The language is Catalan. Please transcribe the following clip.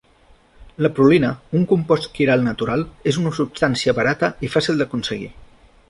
La prolina, un compost quiral natural, és una substància barata i fàcil d'aconseguir.